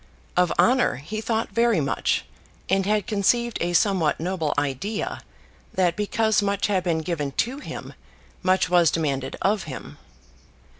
Of honour he thought very much, and had conceived a somewhat noble idea that because much had been given to him much was demanded of him.